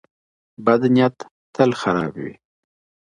بد نيت تل خراب وي